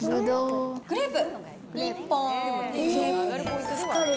グレープ。